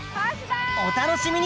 お楽しみに！